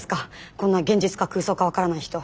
こんな現実か空想か分からない人。